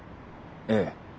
ええ。